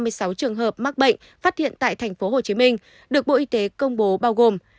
có bốn trăm năm mươi sáu chín trăm năm mươi sáu trường hợp mắc bệnh phát hiện tại tp hcm được bộ y tế công bố bao gồm